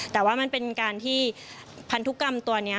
แต่ว่ามันเป็นการที่พันธุกรรมตัวนี้